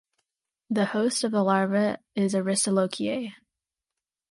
The host of the larva is Aristolochiae.